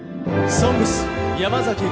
「ＳＯＮＧＳ」山崎育三郎。